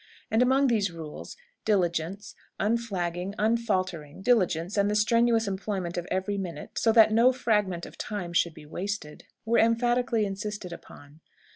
And among these rules, diligence unflagging, unfaltering diligence and the strenuous employment of every minute, so that no fragment of time should be wasted, were emphatically insisted upon.